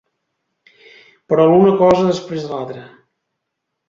Però l’una cosa després de l’altra.